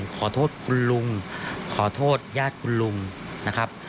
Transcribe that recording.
ขอโทษคุณลุงขอโทษญาติคุณลุงนะครับ